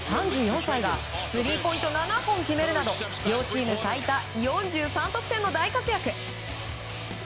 ３４歳がスリーポイント７本決めるなど両チーム最多４３得点の大活躍。